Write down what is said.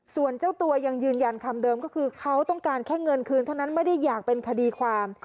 ส่วนเจ้าตัวยังยืนยันคำเดิมก็คือเขาต้องการแค่เงินคืนเท่านั้นไม่ได้อยากเป็นคดีความ